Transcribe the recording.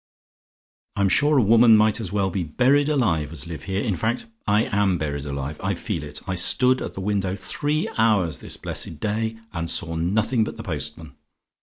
"I'm sure a woman might as well be buried alive as live here. In fact, I am buried alive; I feel it. I stood at the window three hours this blessed day, and saw nothing but the postman.